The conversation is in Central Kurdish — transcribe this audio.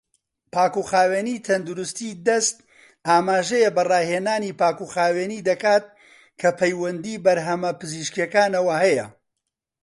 پاکوخاوێنی تەندروستی دەست ئاماژە بە ڕاهێنانی پاکوخاوێنی دەکات کە پەیوەندی بەرهەمە پزیشکیەکانەوە هەیە.